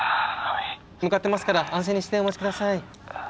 向かってますから安静にしてお待ち下さい。